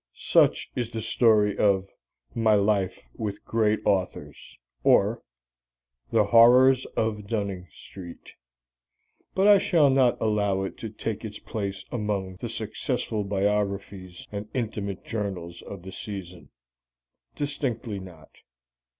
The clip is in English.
Such is the story of "My Life With Great Authors; or, The Horrors of Dunning Street." But I shall not allow it to "take its place among the successful biographies and intimate journals of the season." Distinctly not.